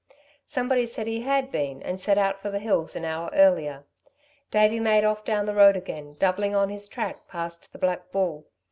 Someone said he had been, and set out for the hills an hour earlier. Davey made off down the road again, doubling on his track, past the Black Bull.